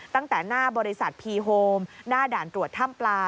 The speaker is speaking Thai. ตั้งแต่หน้าบริษัทพีโฮมหน้าด่านตรวจถ้ำปลา